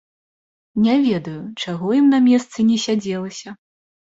Не ведаю, чаго ім на месцы не сядзелася.